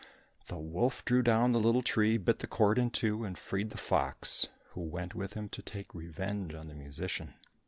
The wolf drew down the little tree, bit the cord in two, and freed the fox, who went with him to take revenge on the musician.